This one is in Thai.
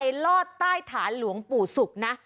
ลอดใต้ฐานหลวงปู่ศุกร์นะ